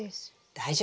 大丈夫。